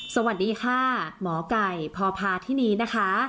สวัสดีค่ะหมอไก่พอพาที่นี้นะคะ